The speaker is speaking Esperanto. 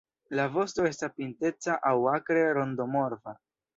La vosto estas pinteca aŭ akre rondoforma.